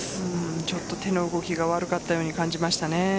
ちょっと手の動きが悪かったように感じました。